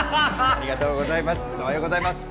ありがとうございます。